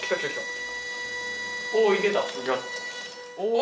お！